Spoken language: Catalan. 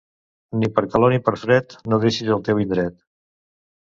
Ni per calor ni per fred, no deixis el teu indret.